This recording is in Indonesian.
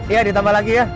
iya ditambah lagi ya